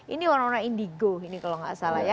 ini warna warna indigo ini kalau nggak salah ya